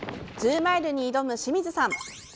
マイルに挑む清水さん。